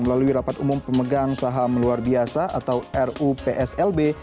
melalui rapat umum pemegang saham luar biasa atau rupslb